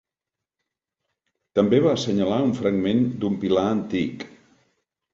També va assenyalar un fragment d'un pilar antic.